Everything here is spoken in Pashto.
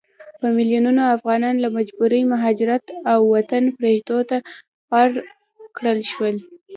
په ميلونونو افغانان له مجبوري مهاجرت او وطن پريښودو ته اړ کړل شوي